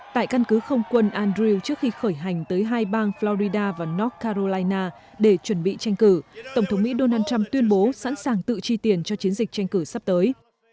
tại căn cứ không quân andrew trước khi khởi hành tới hai bang florida và north carolina để chuẩn bị tranh cử tổng thống mỹ donald trump tuyên bố sẵn sàng tự chi tiền cho chiến dịch tranh cử sắp tới